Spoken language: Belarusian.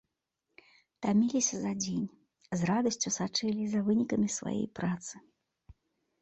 Таміліся за дзень, з радасцю сачылі за вынікамі сваёй працы.